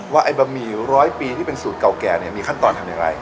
ไอ้บะหมี่ร้อยปีที่เป็นสูตรเก่าแก่เนี่ยมีขั้นตอนทำอย่างไร